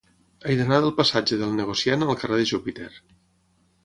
He d'anar del passatge del Negociant al carrer de Júpiter.